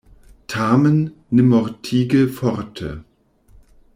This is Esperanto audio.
Tamen, ne mortige forte!